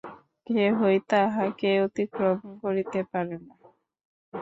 কেহই তাঁহাকে অতিক্রম করিতে পারে না।